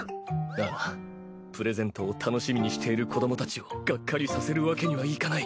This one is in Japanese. あぁプレゼントを楽しみにしている子どもたちをガッカリさせるわけにはいかない。